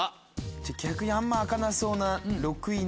じゃあ逆にあんま開かなさそうな。